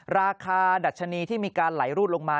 ราคาดัชนีที่มีการไหลรูดลงมา